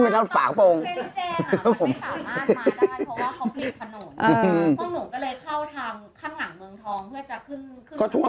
ฝากกระโปรงหน้า